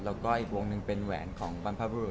แล้วก็อีกวงหนึ่งเป็นแหวนของบรรพบุรุษ